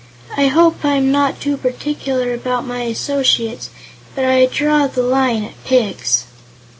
"I hope I'm not too particular about my associates, but I draw the line at pigs."